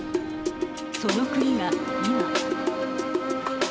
その国が今。